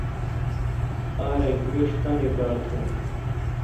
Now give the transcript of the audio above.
ار اک میش تانی کار تھوں۔